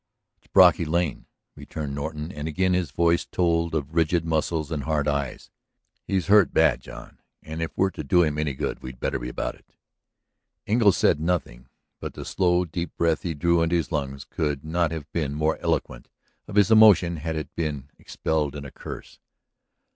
"It's Brocky Lane," returned Norton, and again his voice told of rigid muscles and hard eyes. "He's hurt bad, John. And, if we're to do him any good we'd better be about it." Engle said nothing. But the slow, deep breath he drew into his lungs could not have been more eloquent of his emotion had it been expelled in a curse.